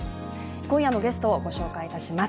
今夜のゲストをご紹介いたします。